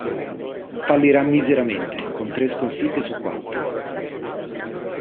Fallirà miseramente con tre sconfitte su quattro.